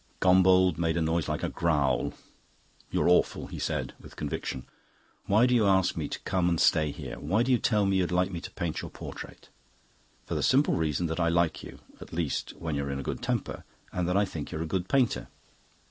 Gombauld made a noise like a growl. "You're awful," he said, with conviction. "Why do you ask me to come and stay here? Why do you tell me you'd like me to paint your portrait?" "For the simple reasons that I like you at least, when you're in a good temper and that I think you're a good painter."